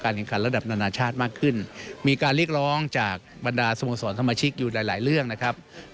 แข่งขันระดับนานาชาติมากขึ้นมีการเรียกร้องจากบรรดาสโมสรสมาชิกอยู่หลายหลายเรื่องนะครับ